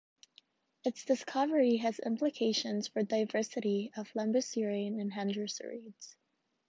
Its discovery has implications for the diversity of lambeosaurine hadrosaurids.